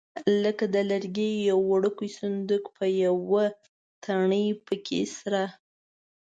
لکه د لرګي یو وړوکی صندوق په یوه تڼۍ پکې سره.